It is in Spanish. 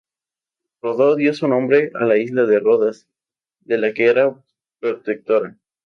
Rodo dio su nombre a la isla de Rodas, de la que era protectora.